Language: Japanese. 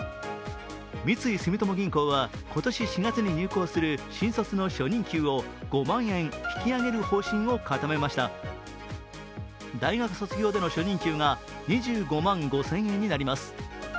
三井住友銀行は今年４月に入行する、新卒の初任給を５万円引き上げる方針を固めました大学卒業での初任給が２５万５０００円になります。